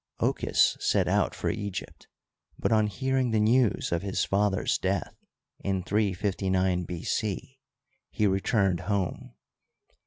Ochus set out for Egypt, but, on hearing the news of his father's death, in 359 B. C, he returned home.